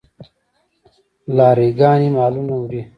لاری ګانې مالونه وړي.